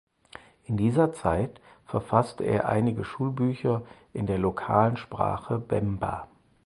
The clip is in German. In dieser Zeit verfasste er einige Schulbücher in der lokalen Sprache Bemba.